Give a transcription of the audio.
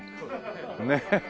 ねえ。